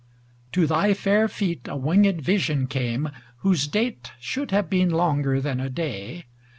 HI To thy fair feet a winged Vision came. Whose date should have been longer than a day.